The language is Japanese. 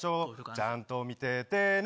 ちゃんと見ててね。